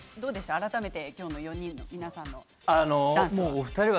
改めて今日も４人の皆さんのダンスは。